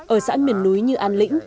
ở xã miền núi như an lĩnh